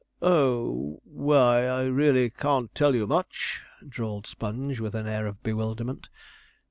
'Oh, why, I really can't tell you much,' drawled Sponge, with an air of bewilderment.